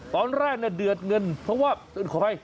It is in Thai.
ตอนแรกเดือดเงินเพราะว่าขออภัย